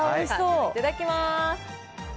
いただきます。